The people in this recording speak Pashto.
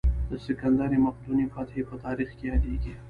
د سکندر مقدوني فتحې په تاریخ کې یادېږي.